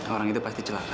orang itu pasti celaka